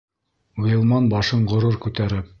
Ғилман башын ғорур күтәреп: